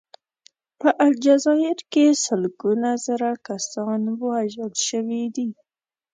په الجزایر کې سلګونه زره کسان وژل شوي دي.